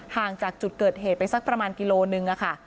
ห่างจากจุดเกิดเหตุไปสักประมาณกิโลนึงค่ะ